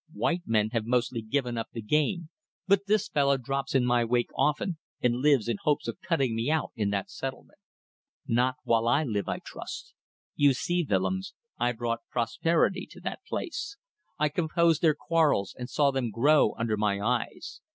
White men have mostly given up the game, but this fellow drops in my wake often, and lives in hopes of cutting me out in that settlement. Not while I live, I trust. You see, Willems, I brought prosperity to that place. I composed their quarrels, and saw them grow under my eyes.